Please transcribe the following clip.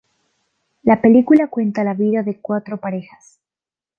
La película cuenta la vida de cuatro parejas.